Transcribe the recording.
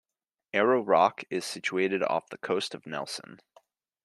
Arrow Rock is situated off the coast of Nelson.